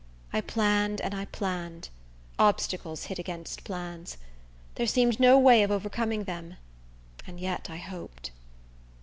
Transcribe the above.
I planned and I planned. Obstacles hit against plans. There seemed no way of overcoming them; and yet I hoped.